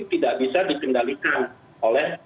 tidak bisa disendalikan oleh